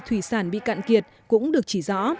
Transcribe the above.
thủy sản bị cạn kiệt cũng được chỉ rõ